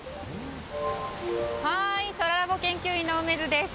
そらラボ研究員の梅津です。